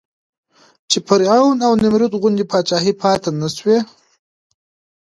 چې فرعون او نمرود غوندې پاچاهۍ پاتې نه شوې.